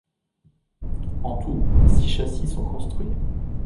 En tout, six châssis sont construits.